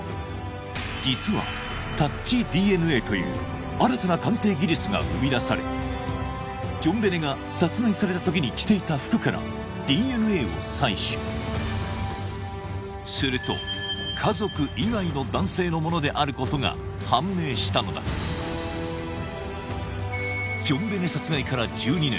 実はという新たな鑑定技術が生み出されジョンベネが殺害された時に着ていた服からＤＮＡを採取すると家族以外の男性のものであることが判明したのだジョンベネ殺害から１２年